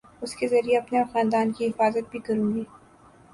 اس کے ذریعے اپنے اور خاندان کی حفاظت بھی کروں گی